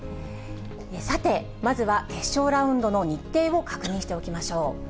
さて、まずは決勝ラウンドの日程を確認しておきましょう。